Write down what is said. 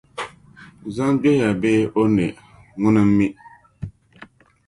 Zom’ gbihiya bee o ne ŋuna m-mi?